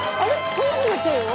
足んなくなっちゃうよ。